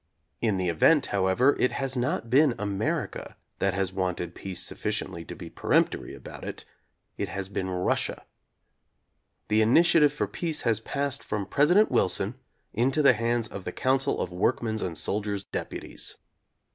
In the event, how ever, it has not been America that has wanted peace sufficiently to be peremptory about it. It has been Russia. The initiative for peace has passed from President Wilson into the hands of the Council of Workmen's and Soldiers' Deputies.